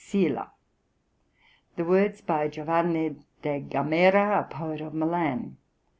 } (141) Silla," the words by Giovanni da Camera, a poet of Milan.